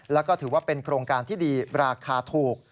แล้วก็ถือว่าเป็นโครงการที่ดีราคาถูก